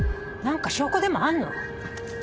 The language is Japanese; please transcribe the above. なんか証拠でもあるの？